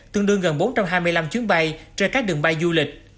tương đương gần bốn trăm hai mươi năm chuyến bay trên các đường bay du lịch